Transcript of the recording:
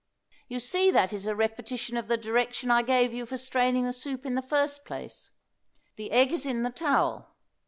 You see that is a repetition of the direction I gave you for straining the soup in the first place. The egg is in the towel.